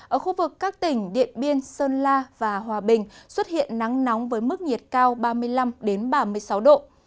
ở khu vực các tỉnh điện biên sơn la và hòa bình xuất hiện nắng nóng với mức nhiệt cao ba mươi năm ba mươi sáu độ